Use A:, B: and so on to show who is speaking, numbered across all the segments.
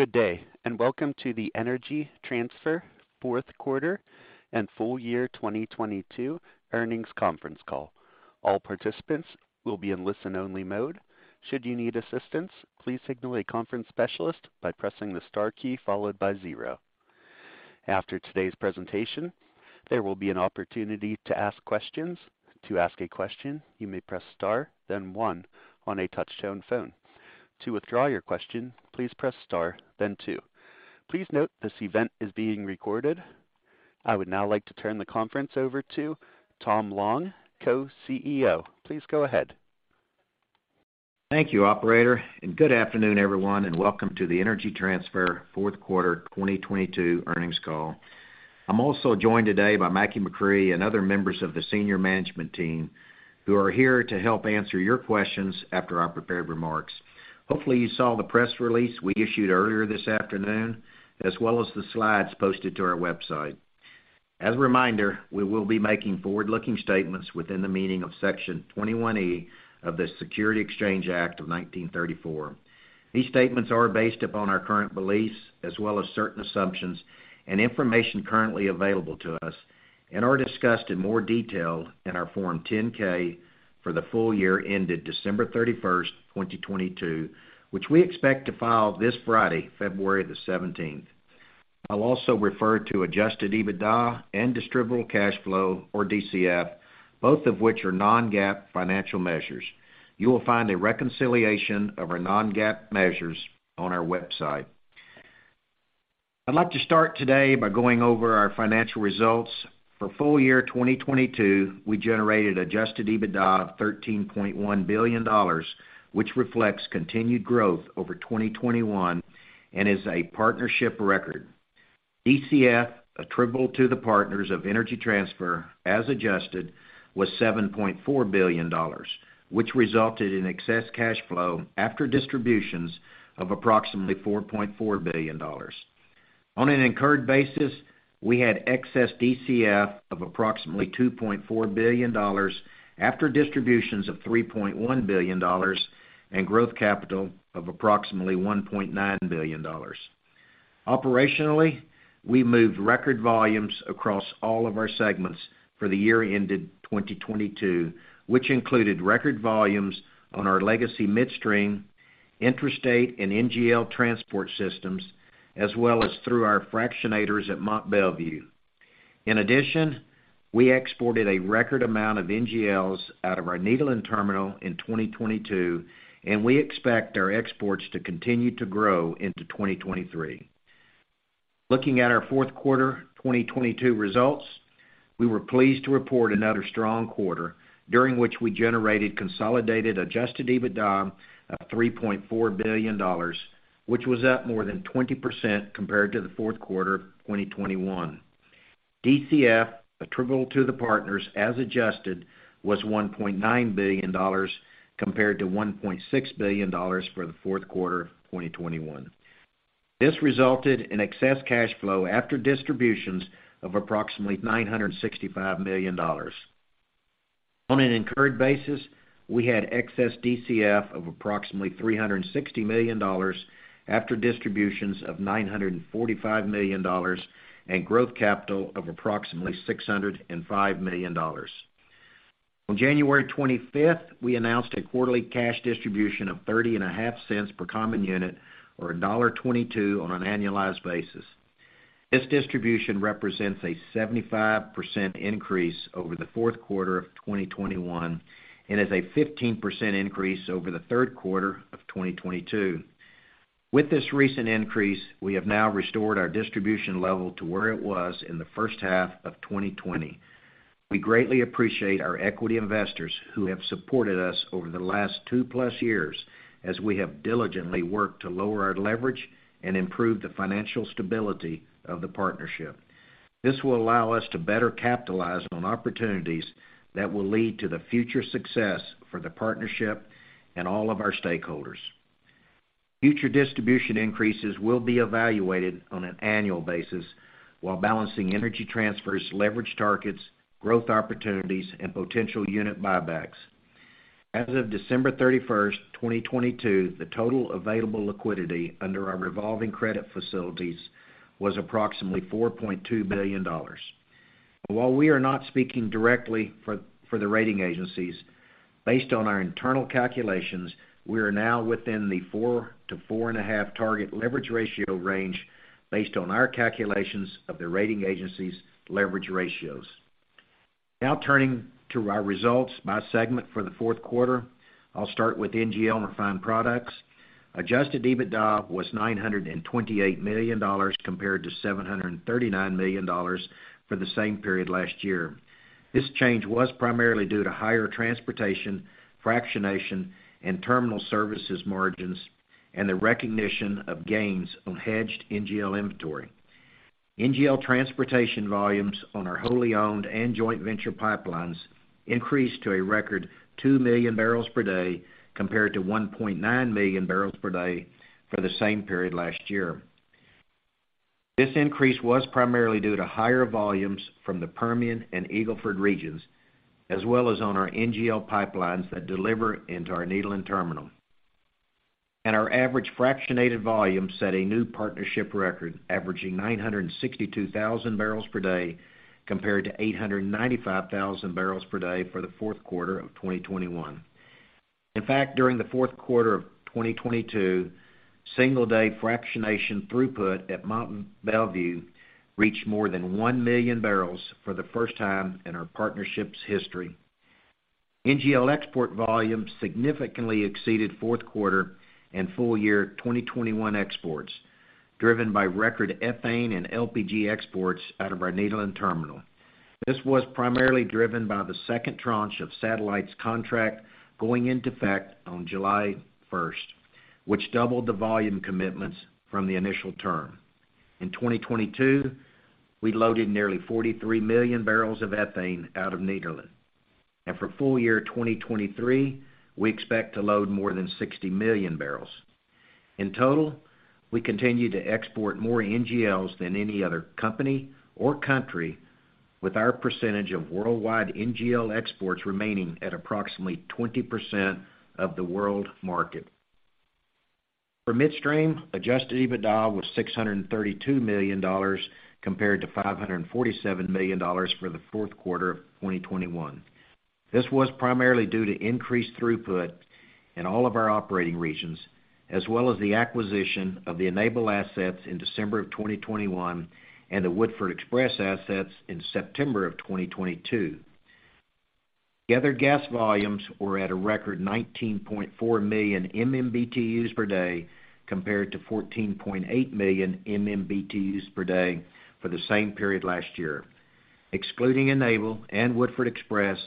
A: Good day, welcome to the Energy Transfer fourth quarter and full year 2022 earnings conference call. All participants will be in listen-only mode. Should you need assistance, please signal a conference specialist by pressing the Star key followed by zero. After today's presentation, there will be an opportunity to ask questions. To ask a question, you may press Star then one on a touch-tone phone. To withdraw your question, please press Star then two. Please note this event is being recorded. I would now like to turn the conference over to Tom Long, Co-CEO. Please go ahead.
B: Thank you, operator. Good afternoon, everyone. Welcome to the Energy Transfer fourth quarter 2022 earnings call. I'm also joined today by Mackie McCrea and other members of the senior management team who are here to help answer your questions after our prepared remarks. Hopefully, you saw the press release we issued earlier this afternoon, as well as the slides posted to our website. As a reminder, we will be making forward-looking statements within the meaning of Section 21E of the Securities Exchange Act of 1934. These statements are based upon our current beliefs as well as certain assumptions and information currently available to us are discussed in more detail in our Form 10-K for the full year ended December 31st, 2022, which we expect to file this Friday, February 17th. I'll also refer to adjusted EBITDA and distributable cash flow, or DCF, both of which are non-GAAP financial measures. You will find a reconciliation of our non-GAAP measures on our website. I'd like to start today by going over our financial results. For full year 2022, we generated adjusted EBITDA of $13.1 billion, which reflects continued growth over 2021 and is a partnership record. DCF attributable to the partners of Energy Transfer, as adjusted, was $7.4 billion, which resulted in excess cash flow after distributions of approximately $4.4 billion. On an incurred basis, we had excess DCF of approximately $2.4 billion after distributions of $3.1 billion and growth capital of approximately $1.9 billion. Operationally, we moved record volumes across all of our segments for the year ended 2022, which included record volumes on our legacy midstream, intrastate, and NGL transport systems, as well as through our fractionators at Mont Belvieu. We exported a record amount of NGLs out of our Nederland Terminal in 2022, and we expect our exports to continue to grow into 2023. Looking at our fourth quarter 2022 results, we were pleased to report another strong quarter during which we generated consolidated adjusted EBITDA of $3.4 billion, which was up more than 20% compared to the fourth quarter of 2021. DCF attributable to the partners as adjusted was $1.9 billion compared to $1.6 billion for the fourth quarter of 2021. This resulted in excess cash flow after distributions of approximately $965 million. On an incurred basis, we had excess DCF of approximately $360 million after distributions of $945 million and growth capital of approximately $605 million. On January 25th, we announced a quarterly cash distribution of $0.305 per common unit or $1.22 on an annualized basis. This distribution represents a 75% increase over the fourth quarter of 2021 and is a 15% increase over the third quarter of 2022. With this recent increase, we have now restored our distribution level to where it was in the first half of 2020. We greatly appreciate our equity investors who have supported us over the last 2-plus years as we have diligently worked to lower our leverage and improve the financial stability of the partnership. This will allow us to better capitalize on opportunities that will lead to the future success for the partnership and all of our stakeholders. Future distribution increases will be evaluated on an annual basis while balancing Energy Transfer's leverage targets, growth opportunities, and potential unit buybacks. As of December 31, 2022, the total available liquidity under our revolving credit facilities was approximately $4.2 billion. While we are not speaking directly for the rating agencies, based on our internal calculations, we are now within the 4-4.5 target leverage ratio range based on our calculations of the rating agency's leverage ratios. Turning to our results by segment for the fourth quarter, I'll start with NGL and refined products. Adjusted EBITDA was $928 million compared to $739 million for the same period last year. This change was primarily due to higher transportation, fractionation, and terminal services margins, and the recognition of gains on hedged NGL inventory. NGL transportation volumes on our wholly owned and joint venture pipelines increased to a record $2 million barrels per day compared to $1.9 million barrels per day for the same period last year. This increase was primarily due to higher volumes from the Permian and Eagle Ford regions, as well as on our NGL pipelines that deliver into our Nederland Terminal. Our average fractionated volume set a new partnership record, averaging 962,000 barrels per day compared to 895,000 barrels per day for the fourth quarter of 2021. In fact, during the fourth quarter of 2022, single-day fractionation throughput at Mont Belvieu reached more than 1 million barrels for the first time in our partnership's history. NGL export volumes significantly exceeded fourth quarter and full year 2021 exports, driven by record ethane and LPG exports out of our Nederland Terminal. This was primarily driven by the second tranche of Satellite's contract going into effect on July 1st, which doubled the volume commitments from the initial term. In 2022, we loaded nearly 43 million barrels of ethane out of Nederland. For full year 2023, we expect to load more than 60 million barrels. In total, we continue to export more NGLs than any other company or country, with our percentage of worldwide NGL exports remaining at approximately 20% of the world market. For midstream, adjusted EBITDA was $632 million compared to $547 million for the fourth quarter of 2021. This was primarily due to increased throughput in all of our operating regions, as well as the acquisition of the Enable assets in December of 2021, and the Woodford Express assets in September of 2022. Gathered gas volumes were at a record 19.4 million MMBtus per day, compared to 14.8 million MMBtus per day for the same period last year. Excluding Enable and Woodford Express,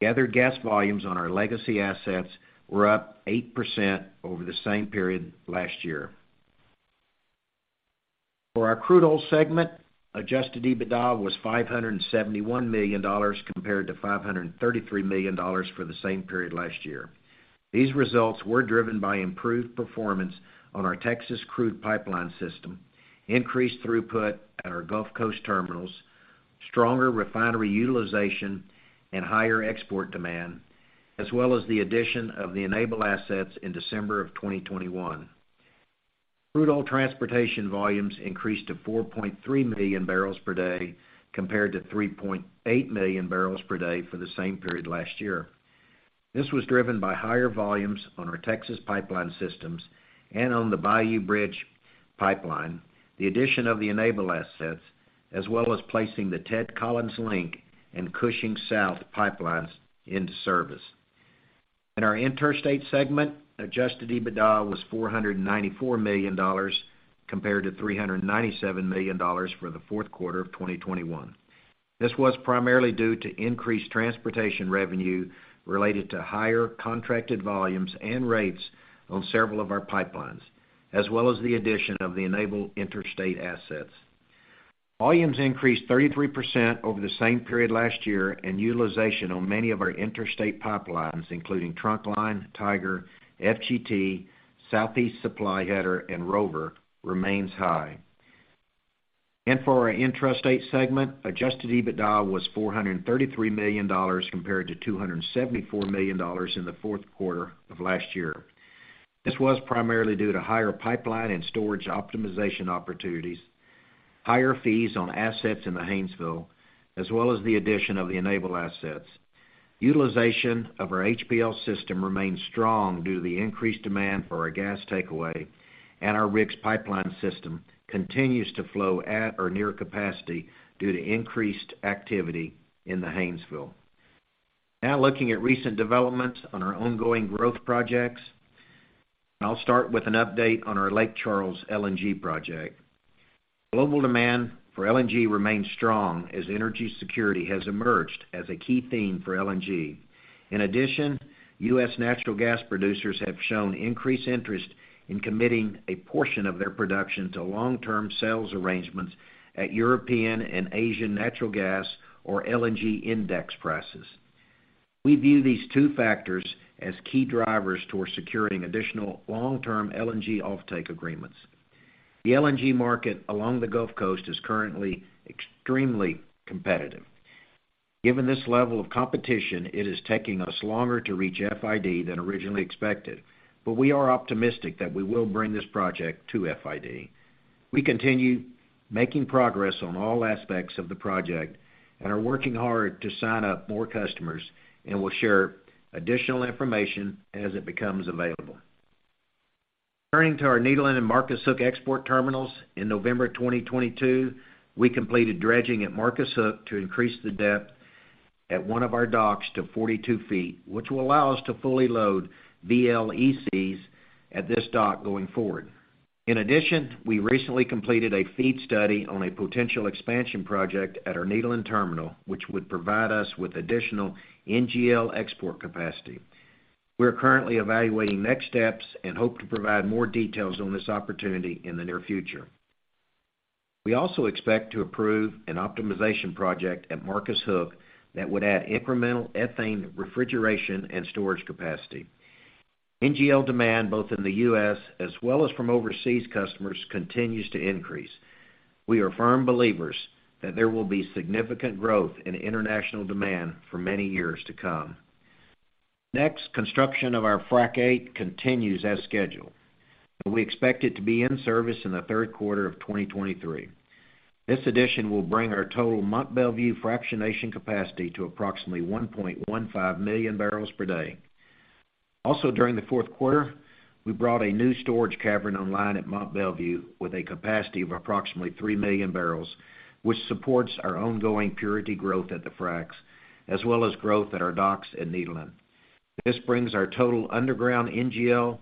B: gathered gas volumes on our legacy assets were up 8% over the same period last year. For our crude oil segment, adjusted EBITDA was $571 million compared to $533 million for the same period last year. These results were driven by improved performance on our Texas crude pipeline system, increased throughput at our Gulf Coast terminals, stronger refinery utilization and higher export demand, as well as the addition of the Enable assets in December 2021. Crude oil transportation volumes increased to 4.3 million barrels per day compared to 3.8 million barrels per day for the same period last year. This was driven by higher volumes on our Texas pipeline systems and on the Bayou Bridge Pipeline, the addition of the Enable assets, as well as placing the Ted Collins Link and Cushing South pipelines into service. In our interstate segment, adjusted EBITDA was $494 million compared to $397 million for the fourth quarter of 2021. This was primarily due to increased transportation revenue related to higher contracted volumes and rates on several of our pipelines, as well as the addition of the Enable interstate assets. Volumes increased 33% over the same period last year. Utilization on many of our interstate pipelines, including Trunkline, Tiger, FGT, Southeast Supply Header, and Rover, remains high. For our intrastate segment, adjusted EBITDA was $433 million compared to $274 million in the fourth quarter of last year. This was primarily due to higher pipeline and storage optimization opportunities, higher fees on assets in the Haynesville, as well as the addition of the Enable assets. Utilization of our HPL System remains strong due to the increased demand for our gas takeaway. Our RIGS pipeline system continues to flow at or near capacity due to increased activity in the Haynesville. Looking at recent developments on our ongoing growth projects. I'll start with an update on our Lake Charles LNG project. Global demand for LNG remains strong as energy security has emerged as a key theme for LNG. In addition, U.S. natural gas producers have shown increased interest in committing a portion of their production to long-term sales arrangements at European and Asian natural gas or LNG index prices. We view these two factors as key drivers towards securing additional long-term LNG offtake agreements. The LNG market along the Gulf Coast is currently extremely competitive. Given this level of competition, it is taking us longer to reach FID than originally expected. We are optimistic that we will bring this project to FID. We continue making progress on all aspects of the project and are working hard to sign up more customers. We'll share additional information as it becomes available. Turning to our Nederland and Marcus Hook export terminals, in November 2022, we completed dredging at Marcus Hook to increase the depth at one of our docks to 42 feet, which will allow us to fully load VLECs at this dock going forward. In addition, we recently completed a FEED study on a potential expansion project at our Nederland terminal, which would provide us with additional NGL export capacity. We are currently evaluating next steps and hope to provide more details on this opportunity in the near future. We also expect to approve an optimization project at Marcus Hook that would add incremental ethane refrigeration and storage capacity. NGL demand, both in the U.S. as well as from overseas customers, continues to increase. We are firm believers that there will be significant growth in international demand for many years to come. Construction of our Frac VIII continues as scheduled, and we expect it to be in service in the third quarter of 2023. This addition will bring our total Mont Belvieu fractionation capacity to approximately 1.15 million barrels per day. During the fourth quarter, we brought a new storage cavern online at Mont Belvieu with a capacity of approximately 3 million barrels, which supports our ongoing purity growth at the fracs as well as growth at our docks at Nederland. This brings our total underground NGL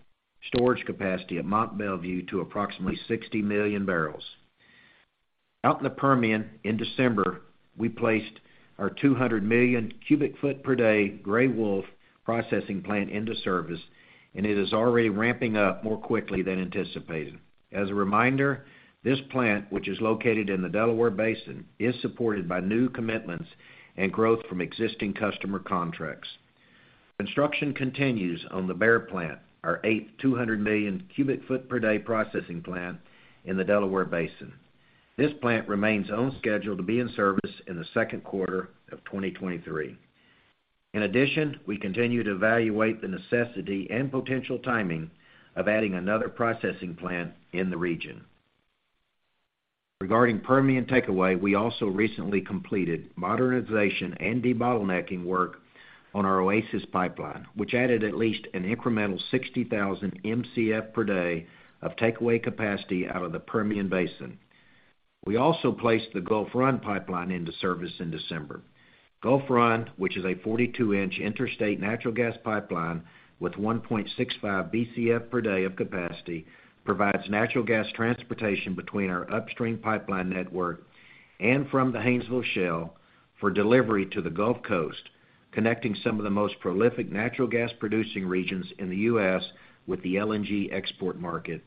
B: storage capacity at Mont Belvieu to approximately 60 million barrels. Out in the Permian in December, we placed our 200 MMcf/d Grey Wolf processing plant into service, it is already ramping up more quickly than anticipated. As a reminder, this plant, which is located in the Delaware Basin, is supported by new commitments and growth from existing customer contracts. Construction continues on the Bear Plant, our eighth 200 MMcf/d processing plant in the Delaware Basin. This plant remains on schedule to be in service in the second quarter of 2023. In addition, we continue to evaluate the necessity and potential timing of adding another processing plant in the region. Regarding Permian takeaway, we also recently completed modernization and debottlenecking work on our Oasis pipeline, which added at least an incremental 60,000 Mcf per day of takeaway capacity out of the Permian Basin. We also placed the Gulf Run pipeline into service in December. Gulf Run, which is a 42-inch interstate natural gas pipeline with 1.65 Bcf per day of capacity, provides natural gas transportation between our upstream pipeline network and from the Haynesville Shale for delivery to the Gulf Coast, connecting some of the most prolific natural gas producing regions in the U.S. with the LNG export market,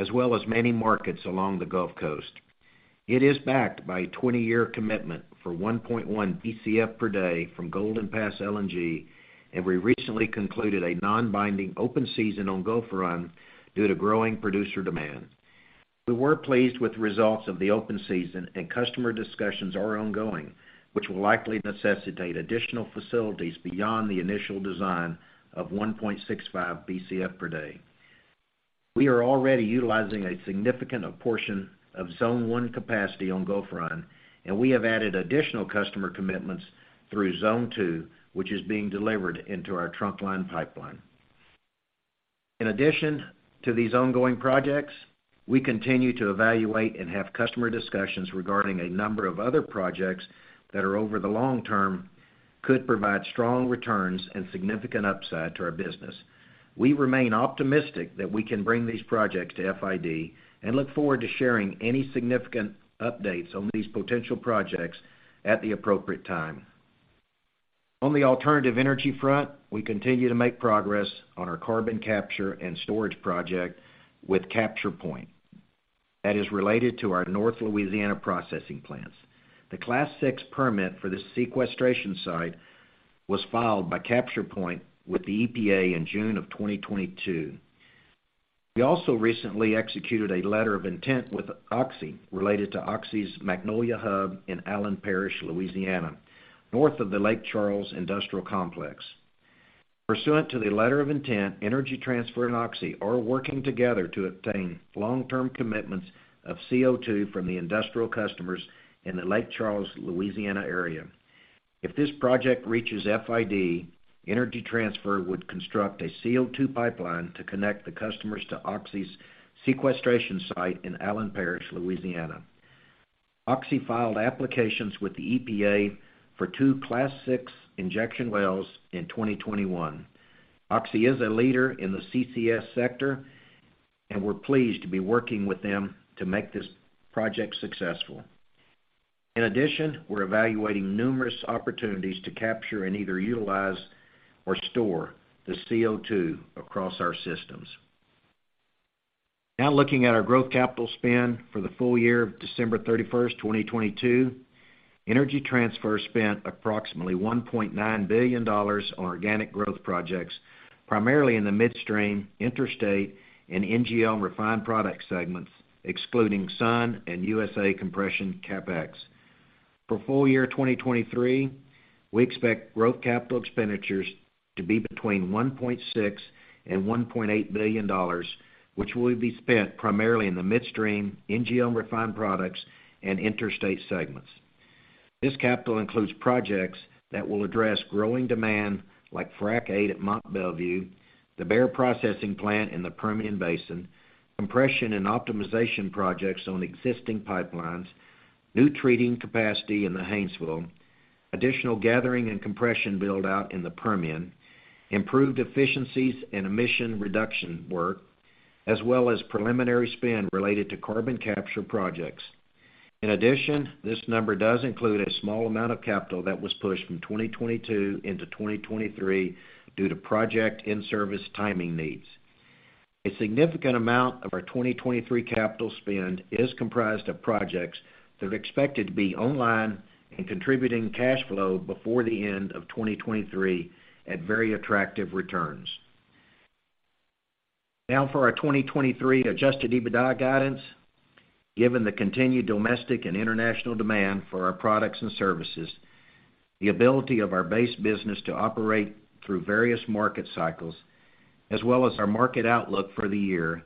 B: as well as many markets along the Gulf Coast. It is backed by a 20-year commitment for 1.1 Bcf per day from Golden Pass LNG, and we recently concluded a non-binding open season on Gulf Run due to growing producer demand. We were pleased with the results of the open season and customer discussions are ongoing, which will likely necessitate additional facilities beyond the initial design of 1.65 Bcf per day. We are already utilizing a significant portion of Zone One capacity on Gulf Run, and we have added additional customer commitments through Zone Two, which is being delivered into our Trunkline pipeline. In addition to these ongoing projects, we continue to evaluate and have customer discussions regarding a number of other projects that are over the long term could provide strong returns and significant upside to our business. We remain optimistic that we can bring these projects to FID and look forward to sharing any significant updates on these potential projects at the appropriate time. On the alternative energy front, we continue to make progress on our carbon capture and storage project with CapturePoint that is related to our North Louisiana processing plants. The Class VI permit for the sequestration site was filed by CapturePoint with the EPA in June of 2022. We also recently executed a letter of intent with Oxy related to Oxy's Magnolia Hub in Allen Parish, Louisiana, north of the Lake Charles Industrial Complex. Pursuant to the letter of intent, Energy Transfer and Oxy are working together to obtain long-term commitments of CO2 from the industrial customers in the Lake Charles, Louisiana area. If this project reaches FID, Energy Transfer would construct a CO2 pipeline to connect the customers to Oxy's sequestration site in Allen Parish, Louisiana. Oxy filed applications with the EPA for two Class VI injection wells in 2021. Oxy is a leader in the CCS sector, and we're pleased to be working with them to make this project successful. In addition, we're evaluating numerous opportunities to capture and either utilize or store the CO2 across our systems. Looking at our growth capital spend for the full year of December 31st, 2022. Energy Transfer spent approximately $1.9 billion on organic growth projects, primarily in the midstream, interstate, and NGL refined product segments, excluding Sun and USA compression CapEx. For full year 2023, we expect growth capital expenditures to be between $1.6 billion and $1.8 billion, which will be spent primarily in the midstream, NGL refined products, and interstate segments. This capital includes projects that will address growing demand like Frac VIII at Mont Belvieu, the Bear Processing Plant in the Permian Basin, compression and optimization projects on existing pipelines, new treating capacity in the Haynesville, additional gathering and compression build-out in the Permian, improved efficiencies and emission reduction work, as well as preliminary spend related to carbon capture projects. In addition, this number does include a small amount of capital that was pushed from 2022 into 2023 due to project in-service timing needs. A significant amount of our 2023 capital spend is comprised of projects that are expected to be online and contributing cash flow before the end of 2023 at very attractive returns. For our 2023 adjusted EBITDA guidance. Given the continued domestic and international demand for our products and services, the ability of our base business to operate through various market cycles, as well as our market outlook for the year,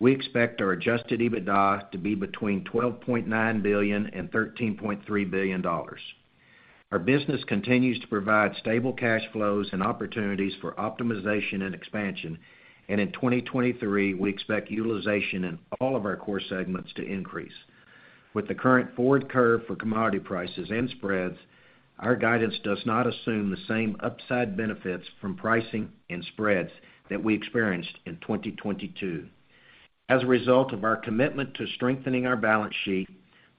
B: we expect our adjusted EBITDA to be between $12.9 billion and $13.3 billion. Our business continues to provide stable cash flows and opportunities for optimization and expansion. In 2023, we expect utilization in all of our core segments to increase. With the current forward curve for commodity prices and spreads, our guidance does not assume the same upside benefits from pricing and spreads that we experienced in 2022. As a result of our commitment to strengthening our balance sheet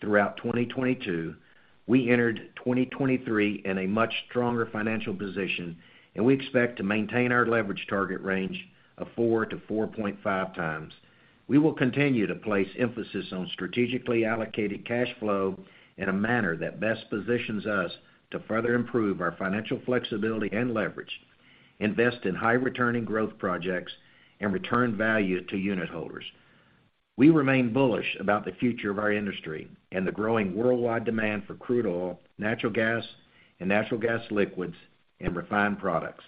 B: throughout 2022, we entered 2023 in a much stronger financial position, and we expect to maintain our leverage target range of 4-4.5 times. We will continue to place emphasis on strategically allocated cash flow in a manner that best positions us to further improve our financial flexibility and leverage, invest in high returning growth projects, and return value to unitholders. We remain bullish about the future of our industry and the growing worldwide demand for crude oil, natural gas and natural gas liquids, and refined products.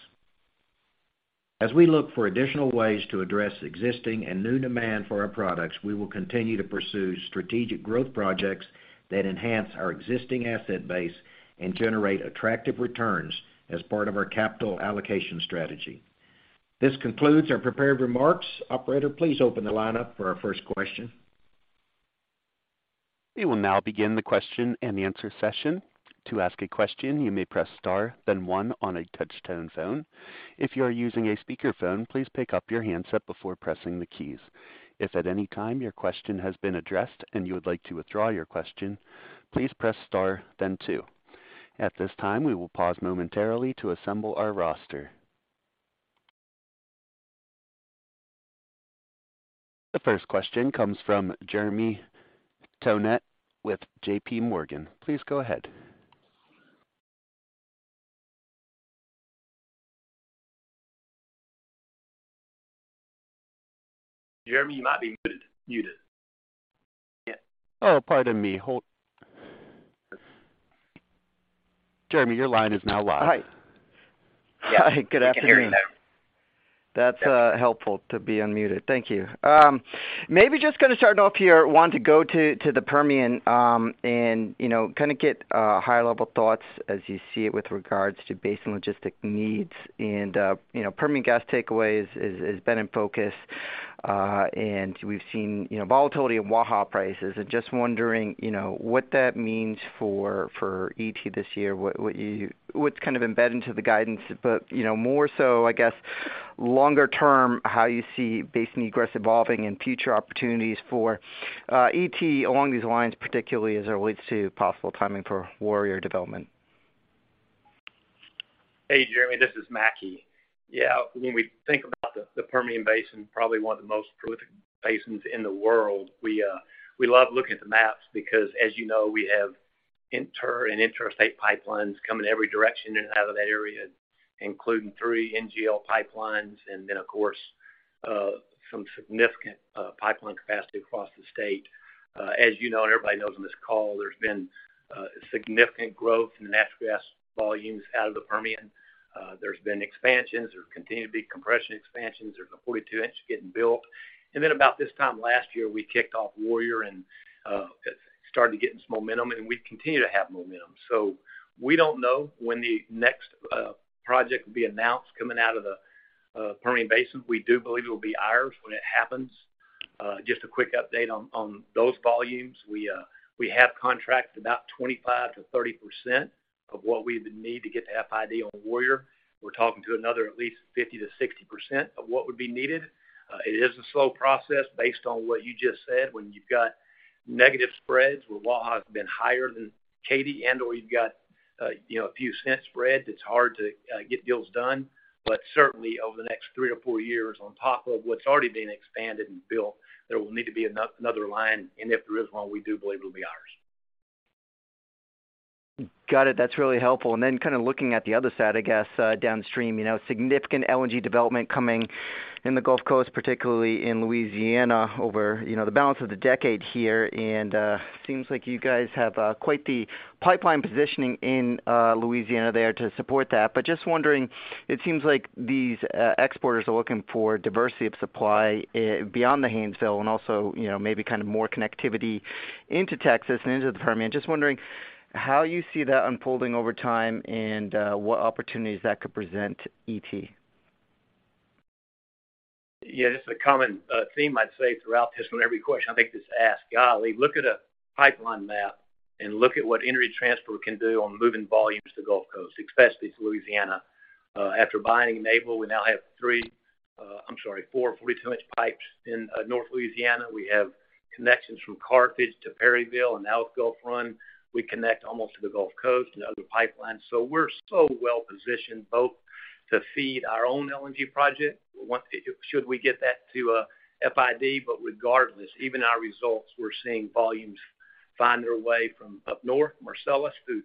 B: As we look for additional ways to address existing and new demand for our products, we will continue to pursue strategic growth projects that enhance our existing asset base and generate attractive returns as part of our capital allocation strategy. This concludes our prepared remarks. Operator, please open the line up for our first question.
A: We will now begin the question-and-answer session. To ask a question, you may press star, then one on a touch-tone phone. If you are using a speakerphone, please pick up your handset before pressing the keys. If at any time your question has been addressed and you would like to withdraw your question, please press star then two. At this time, we will pause momentarily to assemble our roster. The first question comes from Jeremy Tonet with J.P. Morgan. Please go ahead.
B: Jeremy, you might be muted. Yeah.
A: Oh, pardon me. Hold. Jeremy, your line is now live.
C: Hi.
A: Hi, good afternoon.
C: That's helpful to be unmuted. Thank you. Maybe just gonna start off here. Want to go to the Permian, and, you know, kind of get high-level thoughts as you see it with regards to basin logistic needs. You know, Permian gas takeaway is, has been in focus, and we've seen, you know, volatility in Waha prices. I'm just wondering, you know, what that means for ET this year? What's kind of embedded into the guidance, but, you know, more so, I guess, longer term, how you see basin egress evolving and future opportunities for ET along these lines, particularly as it relates to possible timing for Warrior development?
D: Hey, Jeremy, this is Mackie. Yeah, when we think about the Permian Basin, probably one of the most prolific basins in the world. We love looking at the maps because, as you know, we have inter and intrastate pipelines coming every direction in and out of that area, including 3 NGL pipelines and then, of course, some significant pipeline capacity across the state. As you know, and everybody knows on this call, there's been significant growth in natural gas volumes out of the Permian. There's been expansions. There's continued to be compression expansions. There's a 42-inch getting built. About this time last year, we kicked off Warrior and started getting some momentum, and we continue to have momentum. We don't know when the next project will be announced coming out of the Permian Basin. We do believe it'll be ours when it happens. Just a quick update on those volumes. We have contracts about 25%-30% of what we would need to get to FID on Warrior. We're talking to another at least 50%-60% of what would be needed. It is a slow process based on what you just said. When you've got negative spreads where Waha has been higher than Katy and/or you've got, you know, a few cent spreads, it's hard to get deals done. Certainly over the next three or four years, on top of what's already been expanded and built, there will need to be another line, and if there is one, we do believe it'll be ours.
C: Got it. That's really helpful. Kind of looking at the other side, I guess, downstream, you know, significant LNG development coming in the Gulf Coast, particularly in Louisiana over, you know, the balance of the decade here. Seems like you guys have quite the pipeline positioning in Louisiana there to support that. Just wondering, it seems like these exporters are looking for diversity of supply beyond the Haynesville and also, you know, maybe kind of more connectivity into Texas and into the Permian. Just wondering how you see that unfolding over time what opportunities that could present to ET.
D: Yeah, this is a common theme I'd say throughout this one. Every question I think this is asked. Golly, look at a pipeline map and look at what Energy Transfer can do on moving volumes to Gulf Coast, especially to Louisiana. After buying Naval, we now have three, I'm sorry, 4 42-inch pipes in North Louisiana. We have connections from Carthage to Perryville and now with Gulf Run, we connect almost to the Gulf Coast and other pipelines. We're so well-positioned both to feed our own LNG project should we get that to FID. Regardless, even our results, we're seeing volumes find their way from up north, Marcellus, through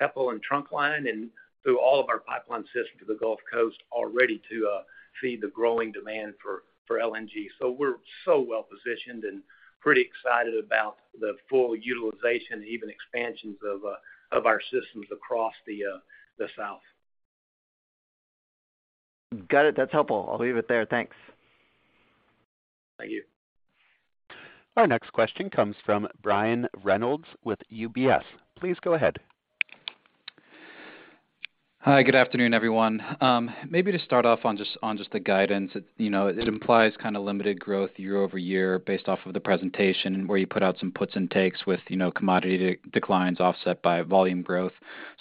D: PEPL and Trunkline and through all of our pipeline system to the Gulf Coast already to feed the growing demand for LNG. We're so well-positioned and pretty excited about the full utilization, even expansions of our systems across the South.
C: Got it. That's helpful. I'll leave it there. Thanks.
D: Thank you.
A: Our next question comes from Brian Reynolds with UBS. Please go ahead.
E: Hi, good afternoon, everyone. Maybe to start off on just the guidance, you know, it implies kind of limited growth year-over-year based off of the presentation where you put out some puts and takes with, you know, commodity declines offset by volume growth.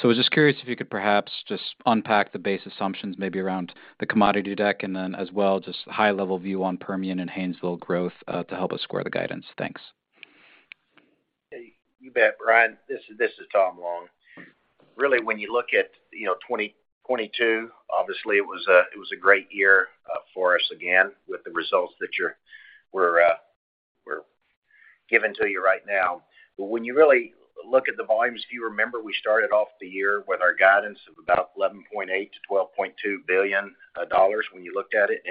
E: I was just curious if you could perhaps just unpack the base assumptions maybe around the commodity deck and then as well, just high-level view on Permian and Haynesville growth to help us square the guidance. Thanks.
B: You bet, Brian. This is Tom Long. Really, when you look at, you know, 2022, obviously it was a, it was a great year for us again with the results that we're giving to you right now. When you really look at the volumes, if you remember, we started off the year with our guidance of about $11.8 billion-$12.2 billion when you looked at it.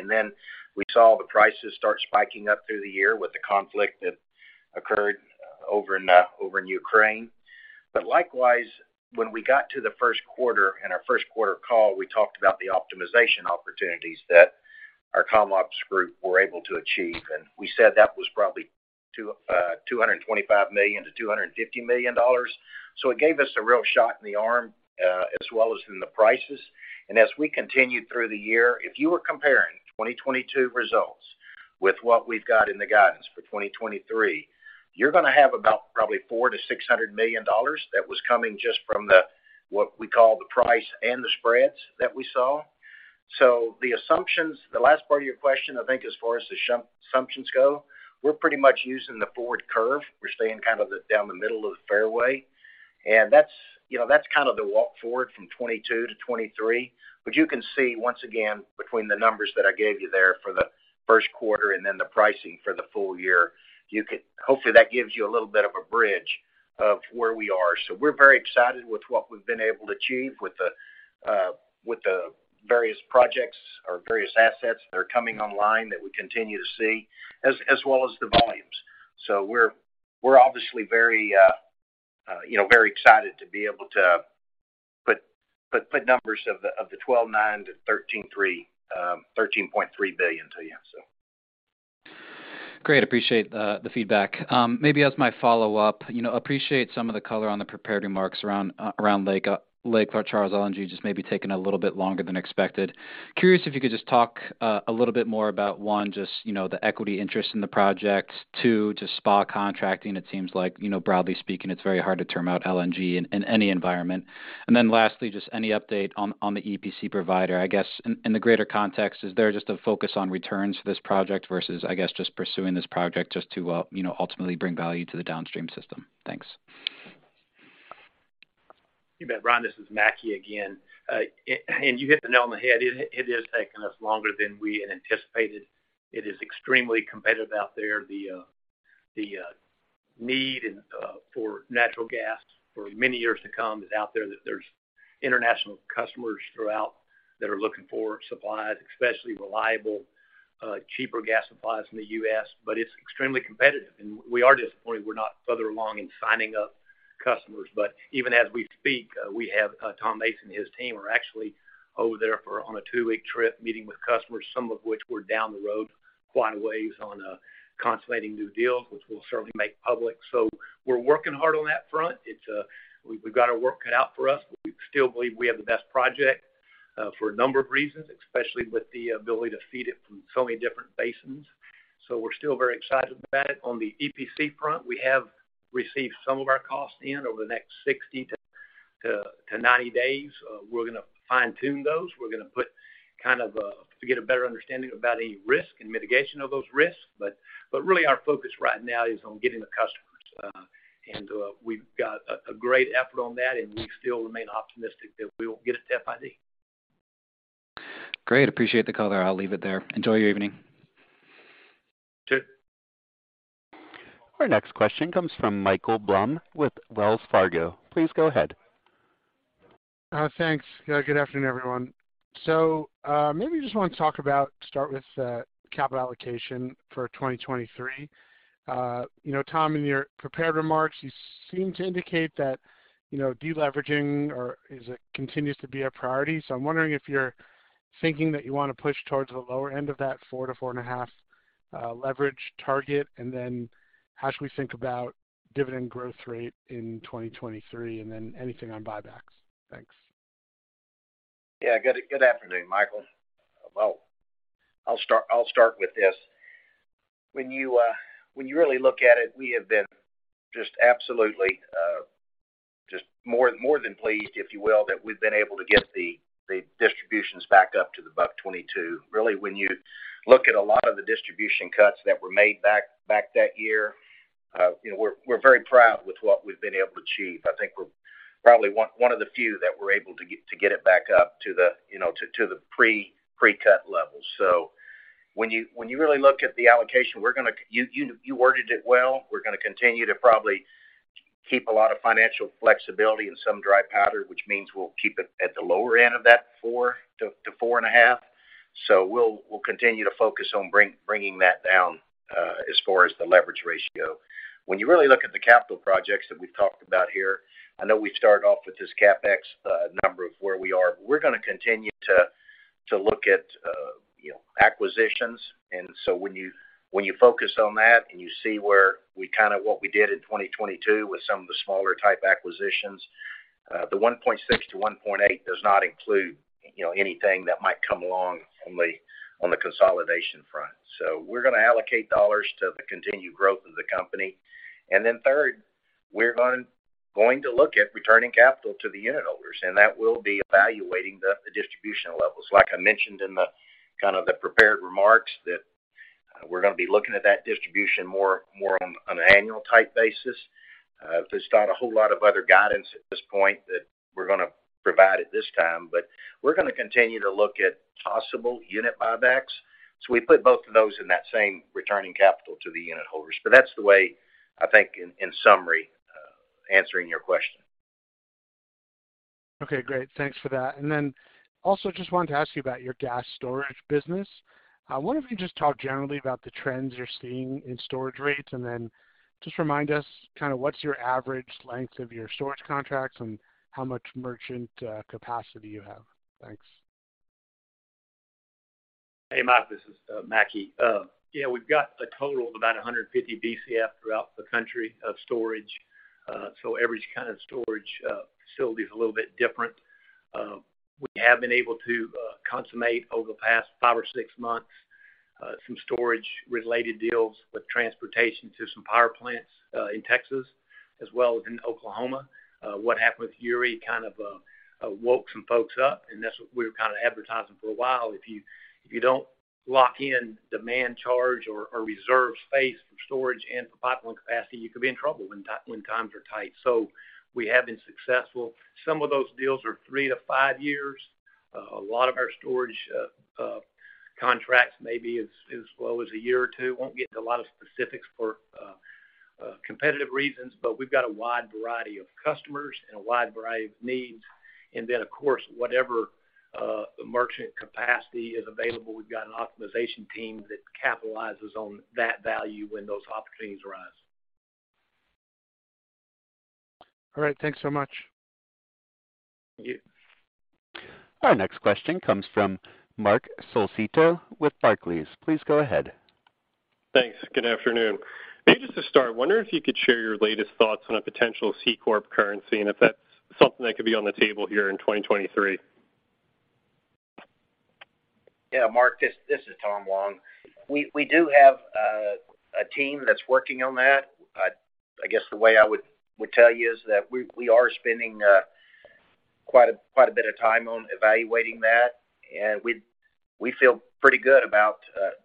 B: We saw the prices start spiking up through the year with the conflict that occurred over in Ukraine. Likewise, when we got to the first quarter, in our first quarter call, we talked about the optimization opportunities that our comm ops group were able to achieve. We said that was probably $225 million-$250 million. It gave us a real shot in the arm, as well as in the prices. As we continued through the year, if you were comparing 2022 results with what we've got in the guidance for 2023, you're gonna have about probably $400 million-$600 million that was coming just from the, what we call the price and the crack spreads that we saw. The assumptions. The last part of your question, I think as far as assumptions go, we're pretty much using the forward curve. We're staying kind of down the middle of the fairway. That's, you know, that's kind of the walk forward from 2022 to 2023. You can see once again between the numbers that I gave you there for the first quarter and then the pricing for the full year, you can hopefully, that gives you a little bit of a bridge of where we are. We're very excited with what we've been able to achieve with the, with the various projects or various assets that are coming online that we continue to see, as well as the volumes. We're obviously very, you know, very excited to be able to put numbers of the, of the $12.9 billion-$13.3 billion to you, so.
E: Great. Appreciate the feedback. Maybe as my follow-up, you know, appreciate some of the color on the prepared remarks around Lake Charles LNG, just maybe taking a little bit longer than expected. Curious if you could just talk a little bit more about, one, just, you know, the equity interest in the project. Two, just SPA contracting. It seems like, you know, broadly speaking, it's very hard to term out LNG in any environment. Lastly, just any update on the EPC provider. I guess in the greater context, is there just a focus on returns for this project versus, I guess, just pursuing this project just to, you know, ultimately bring value to the downstream system? Thanks.
D: You bet. Brian, this is Mackie again. You hit the nail on the head. It has taken us longer than we had anticipated. It is extremely competitive out there. The need for natural gas for many years to come is out there, that there's international customers throughout that are looking for supplies, especially reliable, cheaper gas supplies from the U.S., it's extremely competitive. We are disappointed we're not further along in signing up customers. Even as we speak, we have Tom Mason and his team are actually over there on a two week trip meeting with customers, some of which we're down the road quite a ways on, consolidating new deals, which we'll certainly make public. We're working hard on that front. It's, we've got our work cut out for us, we still believe we have the best project for a number of reasons, especially with the ability to feed it from so many different basins. We're still very excited about it. On the EPC front, we have received some of our costs in over the next 60 to 90 days. We're gonna fine-tune those. We're gonna put to get a better understanding about any risk and mitigation of those risks. Really our focus right now is on getting the customers. We've got a great effort on that, and we still remain optimistic that we will get it to FID.
E: Great. Appreciate the color. I'll leave it there. Enjoy your evening.
D: Sure.
A: Our next question comes from Michael Blum with Wells Fargo. Please go ahead.
F: Thanks. Good afternoon, everyone. Maybe just want to talk about, start with capital allocation for 2023. You know, Tom, in your prepared remarks, you seem to indicate that, you know, de-leveraging continues to be a priority. I'm wondering if you're thinking that you want to push towards the lower end of that 4 to 4.5 leverage target. How should we think about dividend growth rate in 2023, anything on buybacks? Thanks.
B: Yeah. Good afternoon, Michael. Well, I'll start with this. When you, when you really look at it, we have been just absolutely, just more than pleased, if you will, that we've been able to get the distributions back up to $1.22. Really when you look at a lot of the distribution cuts that were made back that year, you know, we're very proud with what we've been able to achieve. I think we're probably one of the few that were able to get it back up to the, you know, to the pre-cut levels. When you, when you really look at the allocation, you worded it well. We're gonna continue to probably keep a lot of financial flexibility and some dry powder, which means we'll keep it at the lower end of that 4-4.5. We'll continue to focus on bringing that down as far as the leverage ratio. When you really look at the capital projects that we've talked about here, I know we started off with this CapEx number of where we are. We're gonna continue to look at, you know, acquisitions. When you focus on that and you see where we kind of what we did in 2022 with some of the smaller type acquisitions, the $1.6-$1.8 does not include, you know, anything that might come along on the consolidation front. We're gonna allocate dollars to the continued growth of the company. Third, we're going to look at returning capital to the unit holders, and that will be evaluating the distribution levels. Like I mentioned in the kind of the prepared remarks that we're gonna be looking at that distribution more on an annual type basis. There's not a whole lot of other guidance at this point that we're gonna provide at this time, but we're gonna continue to look at possible unit buybacks. We put both of those in that same returning capital to the unit holders. That's the way I think in summary, answering your question.
F: Okay, great. Thanks for that. Also just wanted to ask you about your gas storage business. Wonder if you can just talk generally about the trends you're seeing in storage rates, and then just remind us kind of what's your average length of your storage contracts and how much merchant capacity you have. Thanks.
D: Hey, Mike, this is Mackie. Yeah, we've got a total of about 150 Bcf throughout the country of storage. Every kind of storage facility is a little bit different. We have been able to consummate over the past 5 or 6 months, some storage related deals with transportation to some power plants in Texas as well as in Oklahoma. What happened with Uri kind of woke some folks up, and that's what we were kind of advertising for a while. If you, if you don't lock in demand charge or reserve space for storage and for pipeline capacity, you could be in trouble when times are tight. We have been successful. Some of those deals are 3-5 years. A lot of our storage contracts may be as low as a year or two. Won't get into a lot of specifics for competitive reasons, but we've got a wide variety of customers and a wide variety of needs. Of course, whatever merchant capacity is available, we've got an optimization team that capitalizes on that value when those opportunities arise.
F: All right. Thanks so much.
D: Thank you.
A: Our next question comes from Marc Solecitto with Barclays. Please go ahead.
G: Thanks. Good afternoon. Maybe just to start, I wonder if you could share your latest thoughts on a potential C-corp currency, and if that's something that could be on the table here in 2023.
B: Marc, this is Tom Long. We do have a team that's working on that. I guess the way I would tell you is that we are spending quite a bit of time on evaluating that, and we feel pretty good about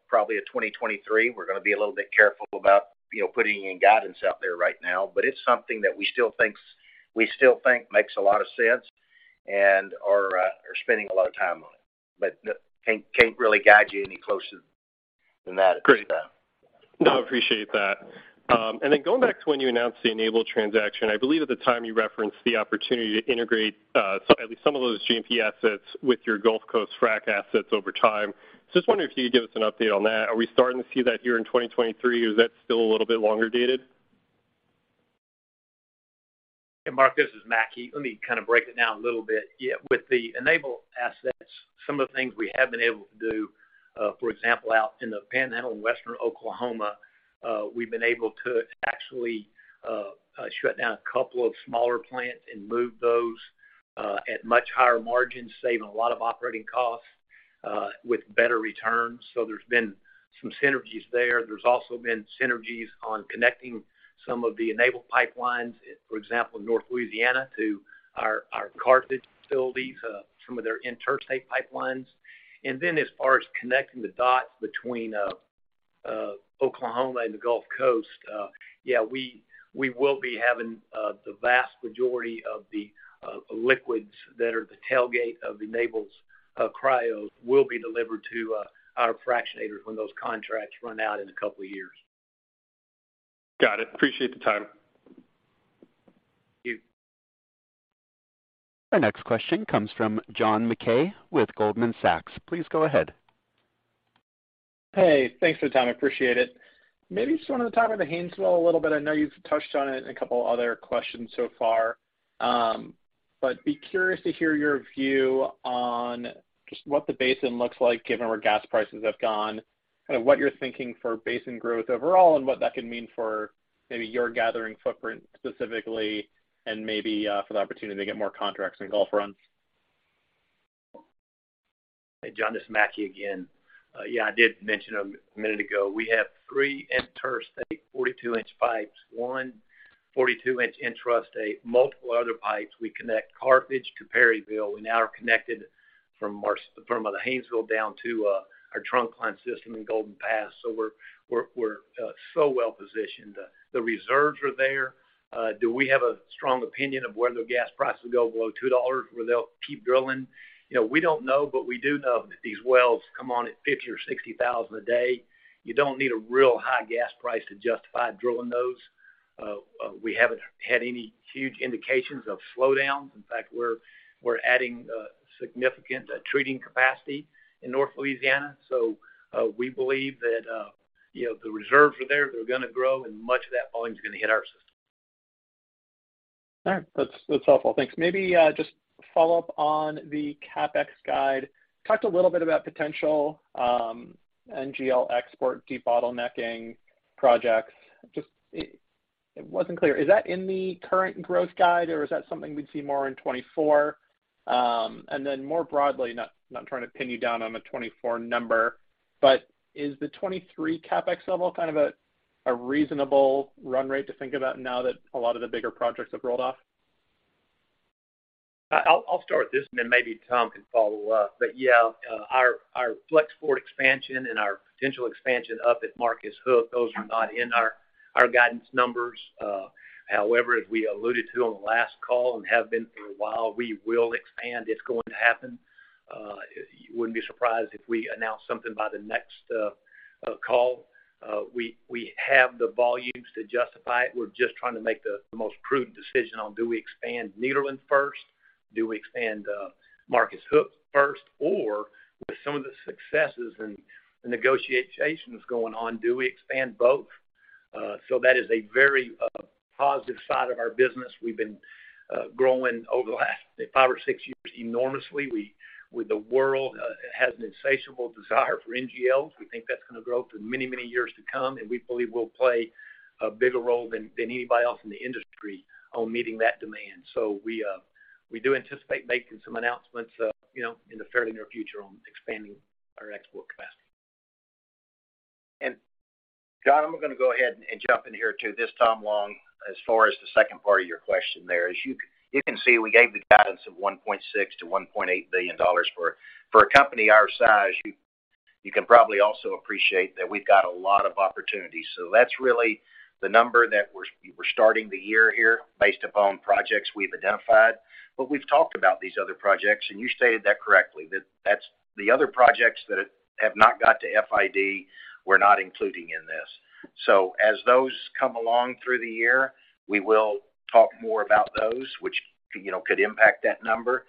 B: probably a 2023. We're gonna be a little bit careful about, you know, putting any guidance out there right now, but it's something that we still think makes a lot of sense and are spending a lot of time on. Can't really guide you any closer than that at this time.
G: Great. No, I appreciate that. Going back to when you announced the Enable transaction, I believe at the time you referenced the opportunity to integrate, so at least some of those GMP assets with your Gulf Coast Frac assets over time. I was wondering if you could give us an update on that. Are we starting to see that here in 2023, or is that still a little bit longer dated?
D: Marc, this is Mackie. Let me kind of break it down a little bit. With the Enable assets, some of the things we have been able to do, for example, out in the Panhandle and Western Oklahoma, we've been able to actually shut down a couple of smaller plants and move those at much higher margins, saving a lot of operating costs with better returns. There's been some synergies there. There's also been synergies on connecting some of the Enable pipelines, for example, North Louisiana to our Carthage facilities, some of their interstate pipelines. As far as connecting the dots between Oklahoma and the Gulf Coast, yeah, we will be having the vast majority of the liquids that are the tailgate of the Enable's cryos will be delivered to our fractionators when those contracts run out in a couple of years.
G: Got it. Appreciate the time.
D: Thank you.
A: Our next question comes from John Mackay with Goldman Sachs. Please go ahead.
H: Hey, thanks for the time. I appreciate it. Maybe just want to talk about the Haynesville a little bit. I know you've touched on it in a couple other questions so far. Be curious to hear your view on just what the basin looks like given where gas prices have gone, kind of what you're thinking for basin growth overall, and what that can mean for maybe your gathering footprint specifically and maybe for the opportunity to get more contracts in Gulf Run.
D: Hey, John, this is Mackie again. Yeah, I did mention a minute ago, we have three interstate 42-inch pipes, one 42-inch intrastate, multiple other pipes. We connect Carthage to Perryville. We now are connected from the Haynesville down to our Trunkline system in Golden Pass. We're so well positioned. The reserves are there. Do we have a strong opinion of whether gas prices go below $2, where they'll keep drilling? You know, we don't know, but we do know that these wells come on at 50,000 or 60,000 a day. You don't need a real high gas price to justify drilling those. We haven't had any huge indications of slowdowns. In fact, we're adding significant treating capacity in North Louisiana. We believe that, you know, the reserves are there, they're gonna grow, and much of that volume is gonna hit our system.
H: All right. That's helpful. Thanks. Maybe just follow up on the CapEx guide. Talked a little bit about potential NGL export debottlenecking projects. Just it wasn't clear. Is that in the current growth guide or is that something we'd see more in 2024? Then more broadly, not trying to pin you down on a 2024 number, but is the 2023 CapEx level kind of a reasonable run rate to think about now that a lot of the bigger projects have rolled off?
D: I'll start this and then maybe Tom can follow up. Yeah, our flex port expansion and our potential expansion up at Marcus Hook, those are not in our guidance numbers. However, as we alluded to on the last call and have been for a while, we will expand. It's going to happen. You wouldn't be surprised if we announce something by the next call. We have the volumes to justify it. We're just trying to make the most prudent decision on do we expand Nederland first, do we expand Marcus Hook first, or with some of the successes and the negotiations going on, do we expand both? That is a very positive side of our business. We've been growing over the last five or six years enormously. With the world has an insatiable desire for NGLs, we think that's gonna grow for many, many years to come. We believe we'll play a bigger role than anybody else in the industry on meeting that demand. We do anticipate making some announcements, you know, in the fairly near future on expanding our export capacity.
B: John, I'm gonna go ahead and jump in here too. This is Tom Long. As far as the second part of your question there, as you can see, we gave the guidance of $1.6 billion-$1.8 billion. For a company our size, you can probably also appreciate that we've got a lot of opportunities. That's really the number that we're starting the year here based upon projects we've identified. We've talked about these other projects, and you stated that correctly. That's. The other projects that have not got to FID, we're not including in this. As those come along through the year, we will talk more about those, which, you know, could impact that number.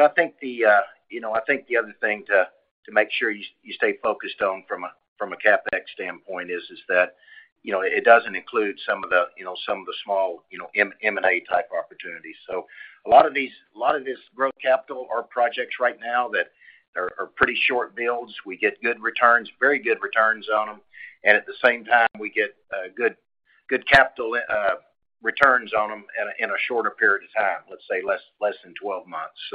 B: I think the, you know, I think the other thing to make sure you stay focused on from a, from a CapEx standpoint is that, you know, it doesn't include some of the, you know, some of the small, you know, M&A type opportunities. A lot of these, a lot of this growth capital are projects right now that are pretty short builds. We get good returns, very good returns on them. At the same time, we get good capital returns on them in a shorter period of time, let's say less than 12 months.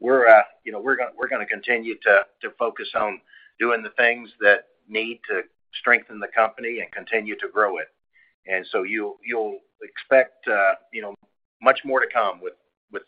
B: We're, you know, we're gonna continue to focus on doing the things that need to strengthen the company and continue to grow it. You'll expect, you know, much more to come with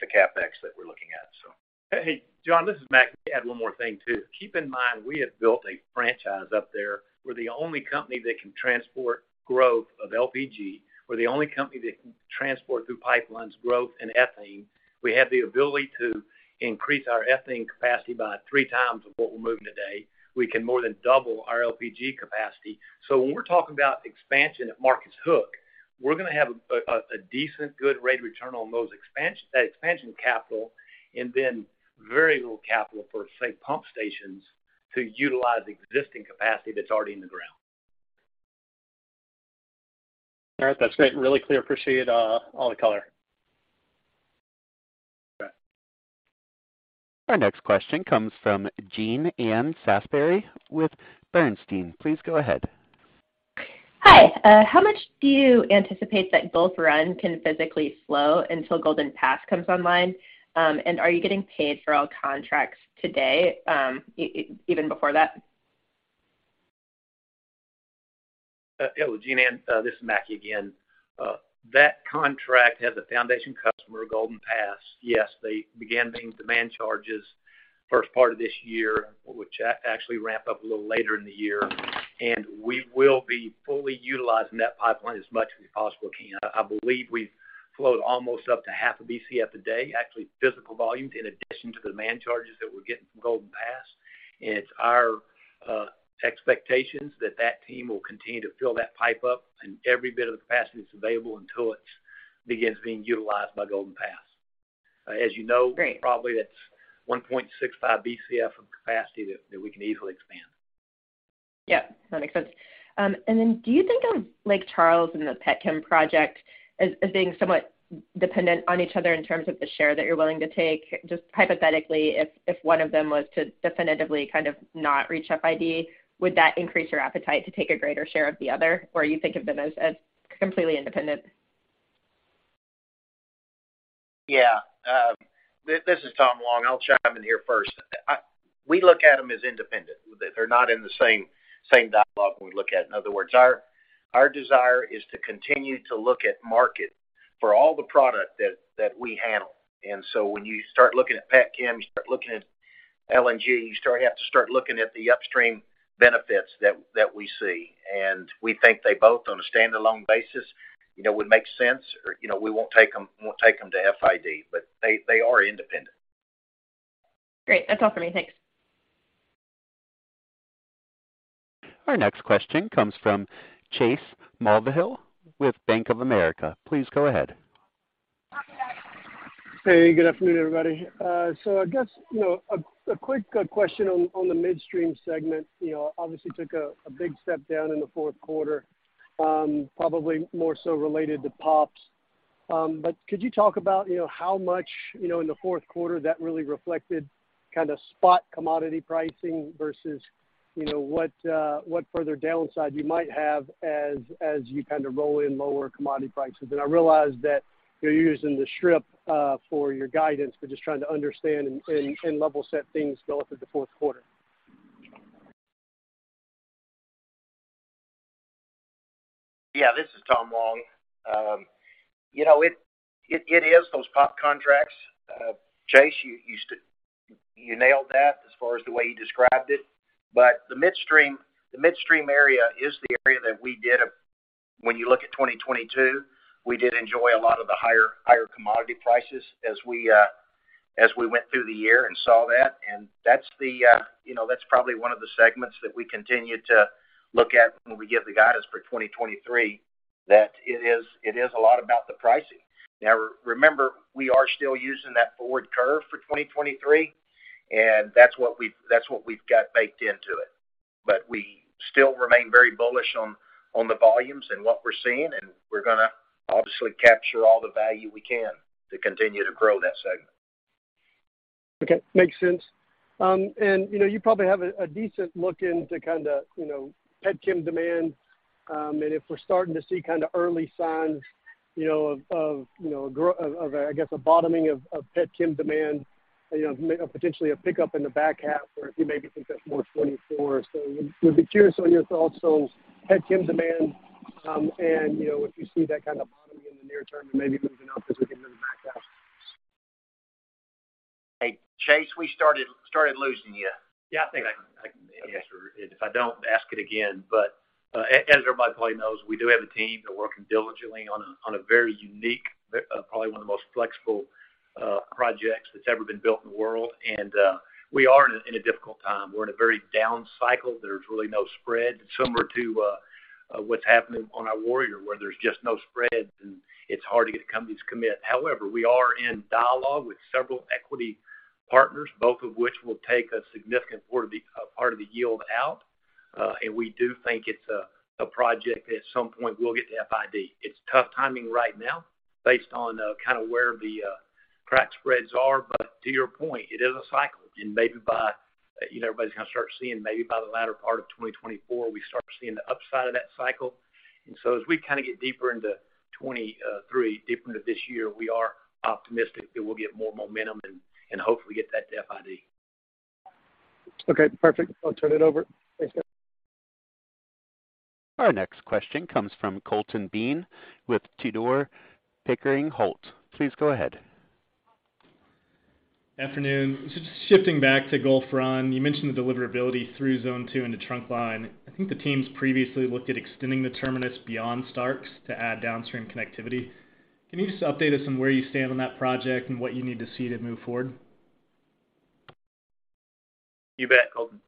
B: the CapEx that we're looking at, so.
D: Hey, John, this is Mackie. Add one more thing too. Keep in mind, we have built a franchise up there. We're the only company that can transport growth of LPG. We're the only company that can transport through pipelines, growth and ethane. We have the ability to increase our ethane capacity by 3x of what we're moving today. We can more than double our LPG capacity. When we're talking about expansion at Marcus Hook, we're gonna have a decent good rate of return on that expansion capital and then very little capital for, say, pump stations to utilize existing capacity that's already in the ground.
H: All right. That's great. Really clear. Appreciate all the color.
D: Okay.
A: Our next question comes from Jean Ann Salisbury with Bernstein. Please go ahead.
I: Hi. How much do you anticipate that Gulf Run can physically slow until Golden Pass comes online? Are you getting paid for all contracts today, even before that?
D: Hello, Jean Ann Salisbury. This is Mackie McCrea again. That contract has a foundation customer, Golden Pass LNG. Yes, they began paying demand charges first part of this year, which actually ramp up a little later in the year. We will be fully utilizing that pipeline as much as we possibly can. I believe we've flowed almost up to 0.5 Bcf a day, actually physical volumes in addition to demand charges that we're getting from Golden Pass LNG. It's our expectations that that team will continue to fill that pipe up and every bit of the capacity that's available until it begins being utilized by Golden Pass LNG. As you know-
I: Great
D: probably that's 1.65 Bcf of capacity that we can easily expand.
I: Yeah, that makes sense. Do you think of Lake Charles and the Petchem project as being somewhat dependent on each other in terms of the share that you're willing to take? Just hypothetically, if one of them was to definitively kind of not reach FID, would that increase your appetite to take a greater share of the other, or you think of them as completely independent?
B: Yeah. This is Tom Long. I'll chime in here first. We look at them as independent. They're not in the same dialogue when we look at it. In other words, our desire is to continue to look at market for all the product that we handle. When you start looking at petchem, you start looking at LNG, you have to start looking at the upstream benefits that we see. We think they both on a standalone basis, you know, would make sense or, you know, we won't take them to FID, but they are independent.
I: Great. That's all for me. Thanks.
A: Our next question comes from Chase Mulvehill with Bank of America. Please go ahead.
J: Good afternoon, everybody. I guess, you know, a quick question on the midstream segment. You know, obviously took a big step down in the fourth quarter, probably more so related to POPs. Could you talk about, you know, how much, you know, in the fourth quarter that really reflected kind of spot commodity pricing versus, you know, what further downside you might have as you kind of roll in lower commodity prices? I realize that you're using the strip for your guidance, but just trying to understand and level set things going through the fourth quarter.
B: Yeah, this is Tom Long. You know, it is those POP contracts. Chase, you nailed that as far as the way you described it. The midstream area is the area that we did. When you look at 2022, we did enjoy a lot of the higher commodity prices as we went through the year and saw that. That's the, you know, that's probably one of the segments that we continue to look at when we give the guidance for 2023, that it is a lot about the pricing. Now, remember, we are still using that forward curve for 2023, and that's what we've got baked into it. We still remain very bullish on the volumes and what we're seeing, and we're gonna obviously capture all the value we can to continue to grow that segment.
J: Okay. Makes sense. You know, you probably have a decent look into kinda, you know, petchem demand. If we're starting to see kinda early signs, you know, of, you know, of a, I guess, a bottoming of petchem demand, you know, potentially a pickup in the back half, or if you maybe think that's more 2024. Would be curious on your thoughts on petchem demand, and, you know, if you see that kind of bottoming in the near term and maybe moving up as we get into the back half.
D: Hey, Chase, we started losing you. Yeah, I think I can answer. If I don't, ask it again. As everybody probably knows, we do have a team. They're working diligently on a very unique, probably one of the most flexible projects that's ever been built in the world. We are in a difficult time. We're in a very down cycle. There's really no spread. It's similar to what's happening on our Warrior, where there's just no spread, and it's hard to get companies to commit. However, we are in dialogue with several equity partners, both of which will take a significant part of the yield out. We do think it's a project that at some point will get to FID. It's tough timing right now based on kind of where the crack spreads are. To your point, it is a cycle, you know, everybody's gonna start seeing maybe by the latter part of 2024, we start seeing the upside of that cycle. As we kinda get deeper into 2023, deeper into this year, we are optimistic that we'll get more momentum and hopefully get that to FID.
J: Okay, perfect. I'll turn it over. Thanks, guys.
A: Our next question comes from Colton Bean with Tudor, Pickering Holt. Please go ahead.
K: Afternoon. Just shifting back to Gulf Run, you mentioned the deliverability through Zone 2 and the Trunkline. I think the teams previously looked at extending the terminus beyond Starks to add downstream connectivity. Can you just update us on where you stand on that project and what you need to see to move forward?
D: You bet, Colton.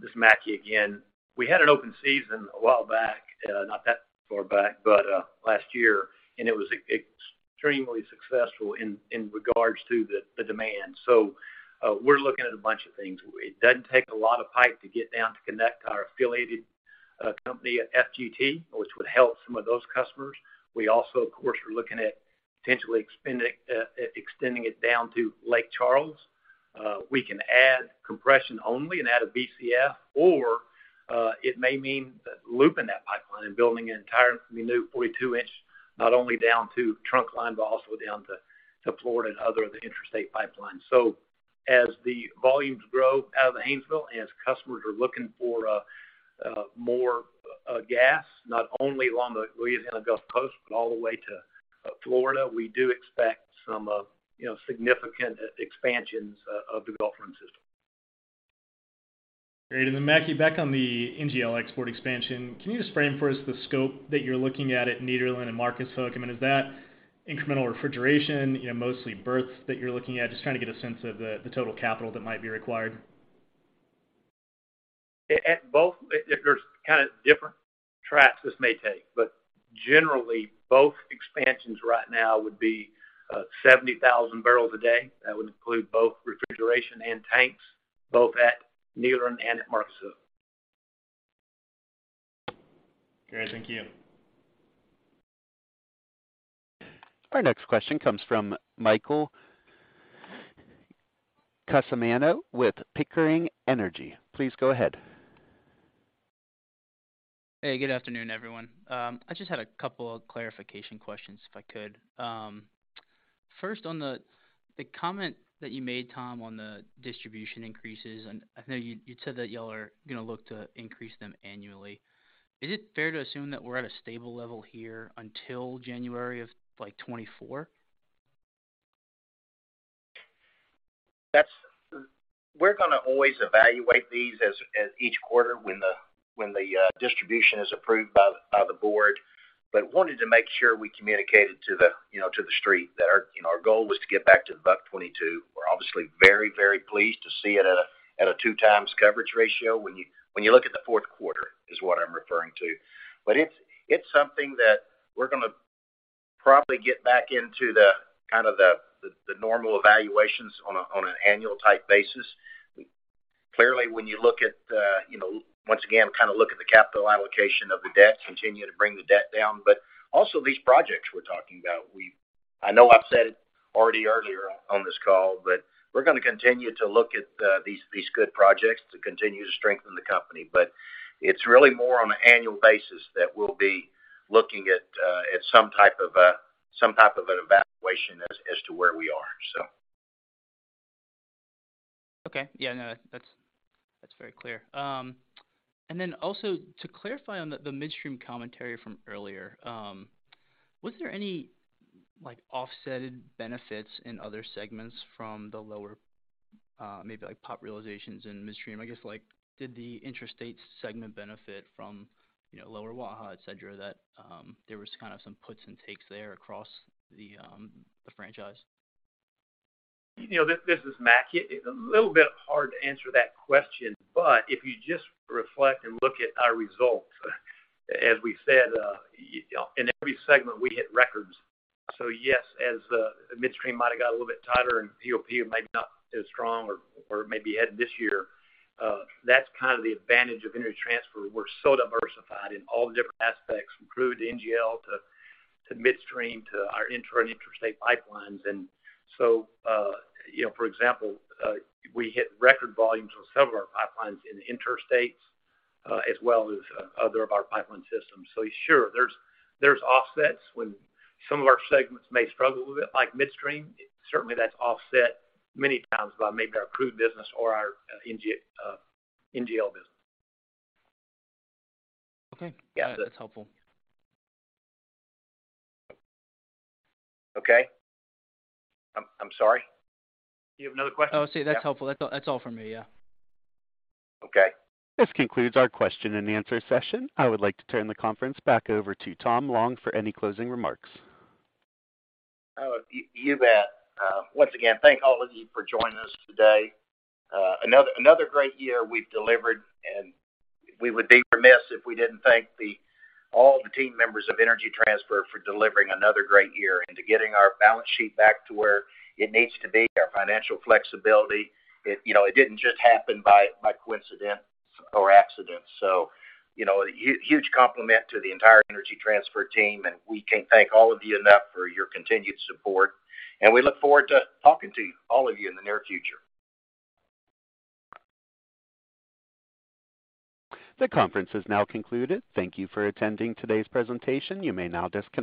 D: This is Mackie again. We had an open season a while back, not that far back, but last year, and it was extremely successful in regards to the demand. We're looking at a bunch of things. It doesn't take a lot of pipe to get down to connect our affiliated company at FGT, which would help some of those customers. We also, of course, are looking at potentially extending it down to Lake Charles. We can add compression only and add a Bcf, or it may mean that looping that pipeline and building an entire new 42 inch, not only down to Trunkline, but also down to Florida and other of the intrastate pipelines. As the volumes grow out of the Haynesville, and as customers are looking for more gas, not only along the Louisiana Gulf Coast, but all the way to Florida, we do expect some, you know, significant expansions of the Gulf Run system.
K: Great. Mackie, back on the NGL export expansion, can you just frame for us the scope that you're looking at at Nederland and Marcus Hook? I mean, is that incremental refrigeration, you know, mostly berths that you're looking at? Just trying to get a sense of the total capital that might be required.
D: There's kind of different tracks this may take, but generally both expansions right now would be 70,000 barrels a day. That would include both refrigeration and tanks, both at Nederland and at Marcus Hook.
K: Great. Thank you.
A: Our next question comes from Michael Cusimano with Pickering Energy. Please go ahead.
L: Hey, good afternoon, everyone. I just had a couple of clarification questions, if I could. First on the comment that you made, Tom, on the distribution increases. I know you said that y'all are gonna look to increase them annually. Is it fair to assume that we're at a stable level here until January of, like, 2024?
D: We're gonna always evaluate these as each quarter when the distribution is approved by the board. Wanted to make sure we communicated to the street that our, you know, our goal was to get back to above 2022. We're obviously very pleased to see it at a 2x coverage ratio when you look at the fourth quarter is what I'm referring to. It's something that we're gonna probably get back into the kind of the normal evaluations on an annual type basis. Clearly, when you look at the, you know, once again, kind of look at the capital allocation of the debt, continue to bring the debt down. Also these projects we're talking about. I know I've said it already earlier on this call, we're gonna continue to look at these good projects to continue to strengthen the company. It's really more on an annual basis that we'll be looking at some type of a, some type of an evaluation as to where we are.
L: Okay. Yeah, no, that's very clear. Also to clarify on the midstream commentary from earlier, was there any, like, offsetted benefits in other segments from the lower, maybe like POP realizations in midstream? I guess, like, did the interstate segment benefit from, you know, lower Waha, et cetera, that there was kind of some puts and takes there across the franchise?
D: You know, this is Mackie. A little bit hard to answer that question, but if you just reflect and look at our results, as we said, you know, in every segment we hit records. Yes, as midstream might have got a little bit tighter and POP may be not as strong or maybe heading this year, that's kind of the advantage of Energy Transfer. We're so diversified in all the different aspects, from crude to NGL to midstream, to our inter and interstate pipelines. You know, for example, we hit record volumes on several of our pipelines in the interstates, as well as other of our pipeline systems. Sure, there's offsets when some of our segments may struggle a little bit, like midstream. Certainly, that's offset many times by maybe our crude business or our NGL business.
L: Okay. Yeah, that's helpful.
D: Okay. I'm sorry. You have another question?
L: Oh, see, that's helpful. That's all, that's all for me. Yeah.
D: Okay.
A: This concludes our question and answer session. I would like to turn the conference back over to Tom Long for any closing remarks.
B: You bet. Once again, thank all of you for joining us today. Another great year we've delivered, we would be remiss if we didn't thank all the team members of Energy Transfer for delivering another great year into getting our balance sheet back to where it needs to be, our financial flexibility. You know, it didn't just happen by coincidence or accident. You know, huge compliment to the entire Energy Transfer team, we can't thank all of you enough for your continued support. We look forward to talking to you, all of you in the near future.
A: The conference is now concluded. Thank you for attending today's presentation. You may now disconnect.